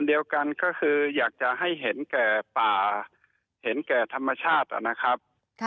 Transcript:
เดียวกันก็คืออยากจะให้เห็นแก่ป่าเห็นแก่ธรรมชาตินะครับ